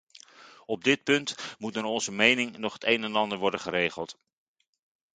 Op dit punt moet naar onze mening nog het een en ander worden geregeld.